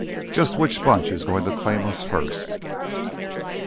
Jus' which bunch is goin' to claim us first?"